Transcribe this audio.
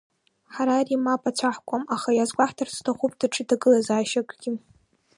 Ҳара ари мап ацәаҳкуам, аха иазгәаҳҭарц ҳҭахуп даҽа ҭагылазаашьакгьы.